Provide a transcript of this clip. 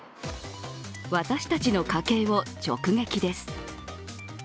私たちの家計を直撃です。